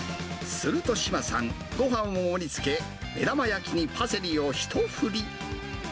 すると志麻さん、ごはんを盛りつけ、目玉焼きにパセリを一振り。